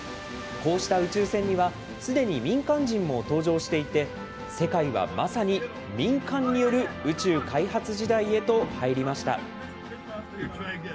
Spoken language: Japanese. こうした宇宙船には、すでに民間人も搭乗していて、世界はまさに民間による宇宙開発時代へと入りました。